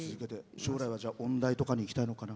将来は音大とかに行きたいのかな？